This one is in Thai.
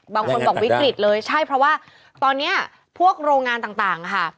บางคนบอกวิกฤตเลยใช่เพราะว่าตอนนี้พวกโรงงานต่างค่ะ